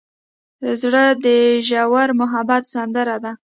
زړه د ژور محبت سندره ده.